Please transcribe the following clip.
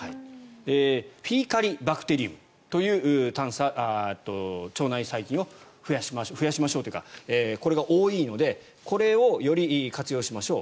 フィーカリバクテリウムという腸内細菌を増やしましょう増やしましょうというかこれが多いのでこれをより活用しましょう。